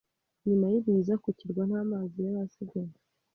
Nyuma y’ibiza, ku kirwa nta mazi yari asigaye.